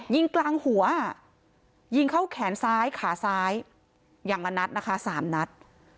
ยิงกลางหัวยิงเข้าแขนซ้ายขาซ้ายอย่างละนัดนะคะ๓นัด